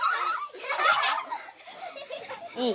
・いい。